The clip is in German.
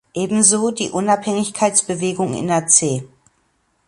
Ebenso die Unabhängigkeitsbewegung in Aceh.